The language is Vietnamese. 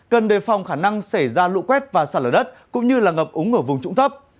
cần đề phòng khả năng xảy ra lụ quét và sạt lở đất cũng như là ngập úng ở vùng trụng thấp